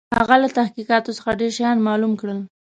هغه له تحقیقاتو څخه ډېر شيان معلوم کړل.